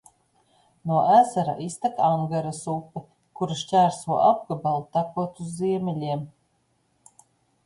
No ezera iztek Angaras upe, kura šķērso apgabalu tekot uz ziemeļiem.